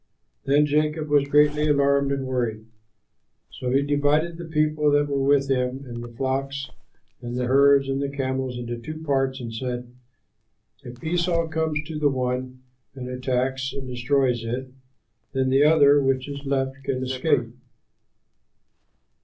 Then Jacob was greatly alarmed and worried. So he divided the people that were with him and the flocks and the herds and the camels into two parts and said, "If Esau comes to the one and attacks and destroys it, then the other which is left can escape."